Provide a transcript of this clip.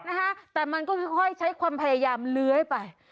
นะฮะแต่มันก็ค่อยใช้ความพยายามเลื้อยไป